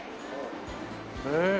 へえ。